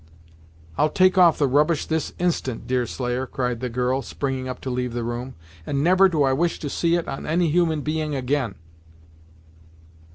"I'll take off the rubbish this instant, Deerslayer," cried the girl, springing up to leave the room, "and never do I wish to see it on any human being, again."